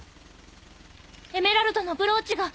エメラルドのブローチが！